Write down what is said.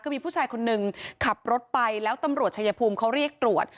คือมีผู้ชายคนนึงขับรถไปแล้วตำรวจชายภูมิเขาเรียกตรวจ